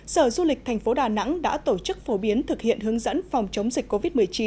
sở du lịch thành phố đà nẵng đã tổ chức phổ biến thực hiện hướng dẫn phòng chống dịch covid một mươi chín